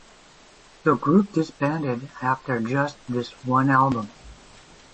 The group disbanded after just this one album.